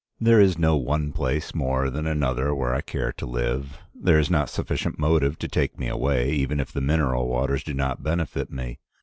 There is no one place more than another where I care to live. There is not sufficient motive to take me away, even if the mineral waters do not benefit me.